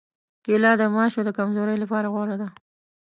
کېله د ماشو د کمزورۍ لپاره غوره ده.